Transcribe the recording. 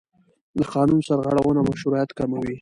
د قانون سرغړونه مشروعیت کموي